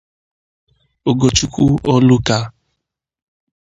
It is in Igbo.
Ugochukwu Oluka